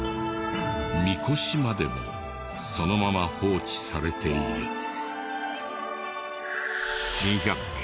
神輿までそのまま放置されている。